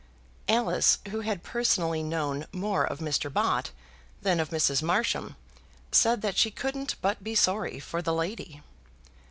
Alice, who had personally known more of Mr. Bott than of Mrs. Marsham, said that she couldn't but be sorry for the lady.